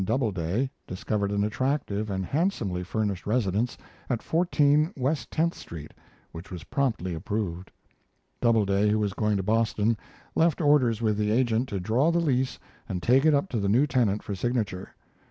Doubleday discovered an attractive and handsomely furnished residence at 14 West Tenth Street, which was promptly approved. Doubleday, who was going to Boston, left orders with the agent to draw the lease and take it up to the new tenant for signature.